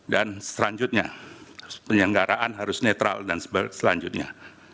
dan selanjutnya penyelenggaraan harus netral dan selanjutnya